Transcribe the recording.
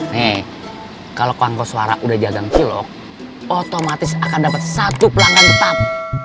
nih kalau kamu suara udah dagang cilok otomatis akan dapat satu pelanggan tetap